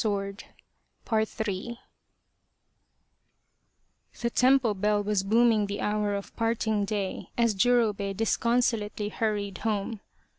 29 PART III THE temple bell was booming the hour of part ing day as Jurobei disconsolately hurried home.